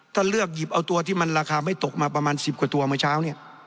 ถ้าเลือกหยิบเอาตัวที่มันราคาไม่ตกมาประมาณ๑๐กว่าตัวเมื่อเช้าเนี่ย